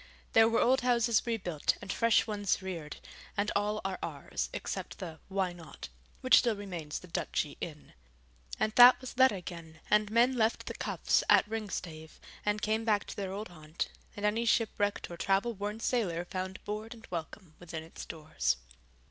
There were old houses rebuilt and fresh ones reared, and all are ours, except the Why Not? which still remains the Duchy Inn. And that was let again, and men left the Choughs at Ringstave and came back to their old haunt, and any shipwrecked or travel worn sailor found board and welcome within its doors.